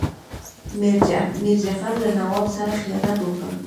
میر جعفر له نواب سره خیانت وکړ.